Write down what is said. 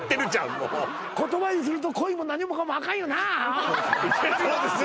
もう言葉にすると恋も何もかもアカンよなそうですね